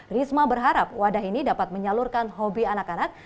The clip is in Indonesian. risma berharap wadah ini dapat menyalurkan hobi anak anak